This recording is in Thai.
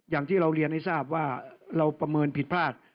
อย่างที่เราเรียนให้ทราบว่าเราประเมินผิดพลาด